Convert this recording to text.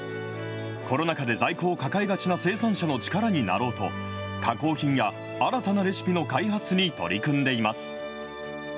コロナ禍で在庫を抱えがちな生産者の力になろうと、加工品や新たなレシピの開発に取り組んでいます。